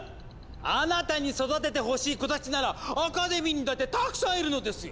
あなたに育ててほしい子たちならアカデミーにだってたくさんいるのですよ！